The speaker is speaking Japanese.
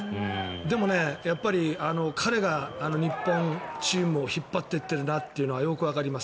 でも、彼が日本チームを引っ張っていっているなというのはよくわかります。